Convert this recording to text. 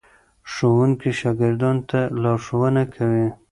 ښوونکي شاګردانو ته لارښوونه کوي.